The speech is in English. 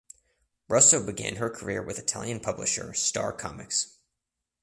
Russo began her career with Italian publisher Star Comics.